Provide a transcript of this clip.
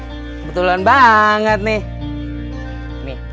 kebetulan banget nih